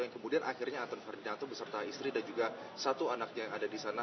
yang kemudian akhirnya anton ferdinanto beserta istri dan juga satu anaknya yang ada di sana